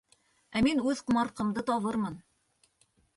Ә мин үҙ ҡомартҡымды табырмын!